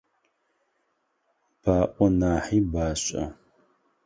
Баӏо нахьи башӏэ.